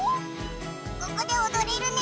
ここでおどれるね。